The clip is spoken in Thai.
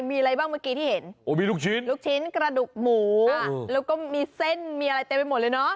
มีอะไรบ้างเมื่อกี้ที่เห็นโอ้มีลูกชิ้นลูกชิ้นกระดูกหมูแล้วก็มีเส้นมีอะไรเต็มไปหมดเลยเนอะ